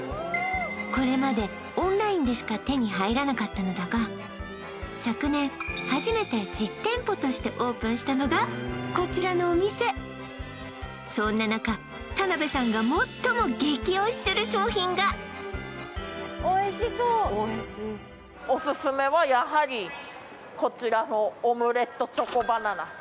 これまでオンラインでしか手に入らなかったのだが昨年初めて実店舗としてオープンしたのがこちらのお店そんな中田辺さんが最も激推しする商品がオススメはやはりこちらのオムレットチョコバナナ